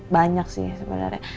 banyak sih sebenarnya